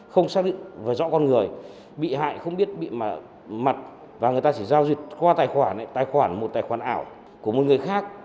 không xác định phải rõ con người bị hại không biết bị mà mặt và người ta chỉ giao duyệt qua tài khoản này tài khoản một tài khoản ảo của một người khác